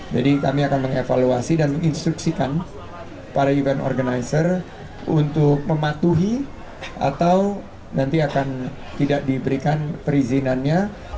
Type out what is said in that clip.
jadi kami akan mengevaluasi dan menginstruksikan para event organizer untuk mematuhi atau nanti akan tidak diberikan perizinannya